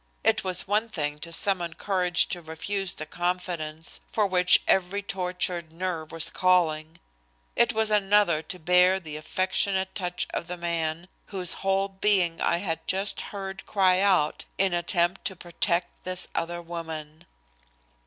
It was one thing to summon courage to refuse the confidence for which every tortured nerve was calling it was another to bear the affectionate touch of the man whose whole being I had just heard cry out in attempt to protect this other woman.